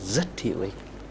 rất hữu ích